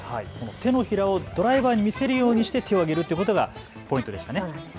手のひらをドライバーに見せるようにして手を上げるということがポイントでしたね。